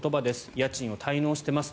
家賃を滞納しています